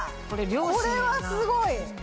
これはすごい！